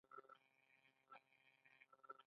احمد که څه هم په خوله خوږ دی، خو په بوسو کې اوبه تېروي.